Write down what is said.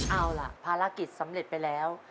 เอาล่ะภารกิจสำเร็จไปแล้ว